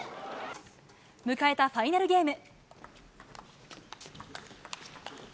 迎えたファイナルゲーム。